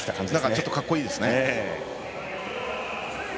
ちょっとかっこいいですね。